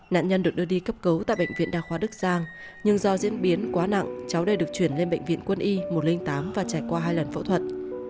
nạn nhân được đưa đi cấp cứu tại bệnh viện đa khoa đức giang nhưng do diễn biến quá nặng cháu đây được chuyển lên bệnh viện quân y một trăm linh tám và trải qua hai lần phẫu thuật